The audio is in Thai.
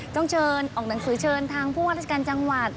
ต้องเชิญออกหนังสือเชิญทางผู้ว่าราชการจังหวัด